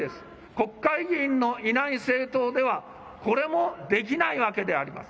国会議員のいない政党ではこれもできないわけであります。